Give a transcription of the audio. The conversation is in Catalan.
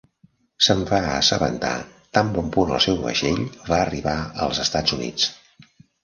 Se'n va assabentar tan bon punt el seu vaixell va arribar als Estats Units.